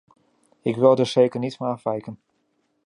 Ik wil daar zeker niet van afwijken.